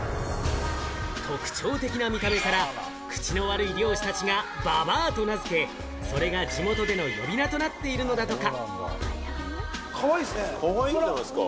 特徴的な見た目から、口の悪い漁師たちが「ばばあ」と名付け、それが地元での呼び名となっているんだとか。